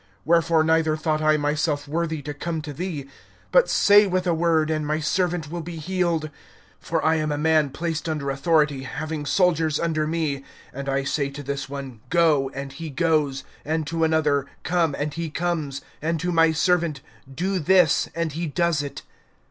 (7)Wherefore neither thought I myself worthy to come to thee; but say with a word, and my servant will be healed. (8)For I am a man placed under authority, having soldiers under me, and I say to this one, Go, and he goes, and to another, Come, and he comes; and to my servant, Do this, and he does it.